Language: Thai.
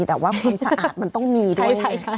แต่ว่าความสะอาดมันต้องมีด้วยใช่ไหม